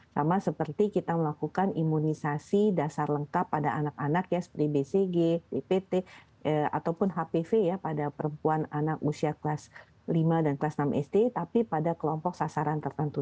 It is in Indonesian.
sama seperti kita melakukan imunisasi dasar lengkap pada anak anak ya seperti bcg dpt ataupun hpv ya pada perempuan anak usia kelas lima dan kelas enam sd tapi pada kelompok sasaran tertentu